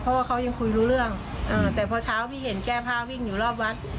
เพราะว่าเขายังคุยรู้เรื่องแต่พอเช้าพี่เห็นแก้ผ้าวิ่งอยู่รอบวัด